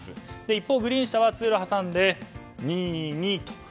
一方、グリーン車は通路を挟んで２、２と。